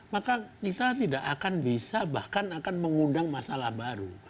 maka kita tidak akan bisa bahkan akan mengundang masalah baru